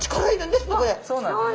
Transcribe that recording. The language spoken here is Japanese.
そうなんですね。